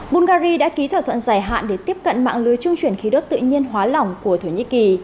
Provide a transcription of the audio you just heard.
bungary đã ký thỏa thuận dài hạn để tiếp cận mạng lưới trung chuyển khí đốt tự nhiên hóa lỏng của thổ nhĩ kỳ